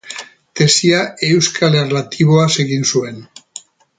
Tesia euskal erlatiboaz egin zuen.